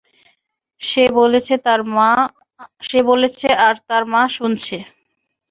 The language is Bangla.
সে বলছে আর তার মা শুনছে?